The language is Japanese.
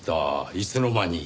いつの間に？